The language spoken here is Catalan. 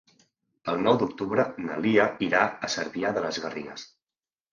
El nou d'octubre na Lia irà a Cervià de les Garrigues.